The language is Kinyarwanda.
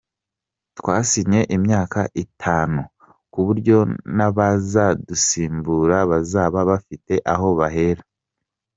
Twasinye imyaka itanu ku buryo n’abazadusimbura bazaba bafite aho bahera.